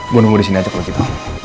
gue nunggu disini aja kalau gitu